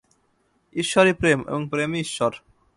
ঈশ্বরই প্রেম এবং প্রেমই ঈশ্বর।